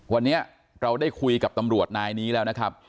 วันนี้เราได้คุยกับตำรวจนายนี้แล้วนะครับ